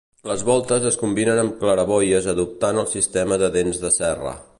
Les voltes es combinen amb claraboies adoptant el sistema de dents de serra.